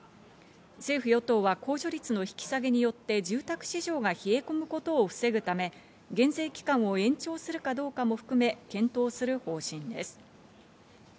政府・与党は控除率の引き下げによって住宅市場が冷え込むことを防ぐため減税期間を延長するかどうかも含め検討する方針です。